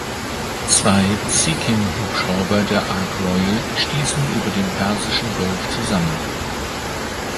Zwei Sea-King-Hubschrauber der "Ark Royal" stießen über dem Persischen Golf zusammen.